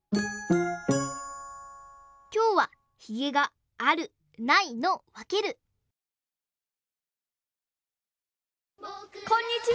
きょうはヒゲがあるないのわけるこんにちは！